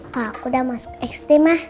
kalau aku udah masuk ekstrim ma